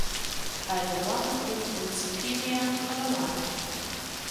Balboa lebt in Superior, Colorado.